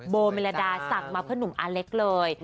โบเมลดาสั่งมาเพื่อหนุ่มอาเล็กเลย